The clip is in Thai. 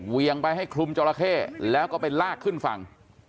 เวียงไปให้คลุมจราเข้แล้วก็ไปลากขึ้นฝั่ง